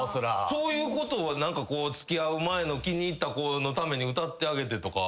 そういうことは付き合う前の気に入った子のために歌ってあげてとか。